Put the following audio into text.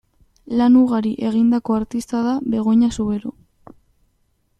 Lan ugari egindako artista da Begoña Zubero.